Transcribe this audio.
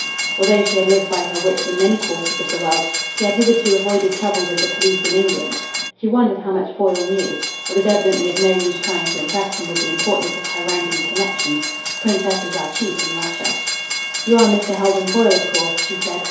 Although she had lived by her wits in many quarters of the world, she had hitherto avoided trouble with the police in England. She wondered how much Foyle knew. It was evidently of no use trying to impress him with the importance of her rank and connections. Princesses are cheap in Russia. "You are Mr. Heldon Foyle, of course," she said.